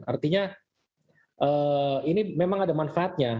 artinya ini memang ada manfaatnya